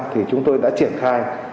thì chúng tôi đã triển khai